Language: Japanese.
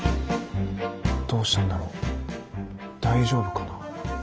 どうしたんだろう大丈夫かな。